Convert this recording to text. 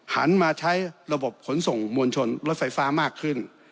หันมาใช้ระบบขนส่งมวลชนรถไฟฟ้ามากขึ้น